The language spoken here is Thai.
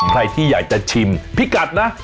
ใครที่อยากจะชิมพิกัดนะ